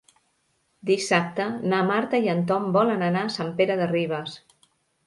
Dissabte na Marta i en Tom volen anar a Sant Pere de Ribes.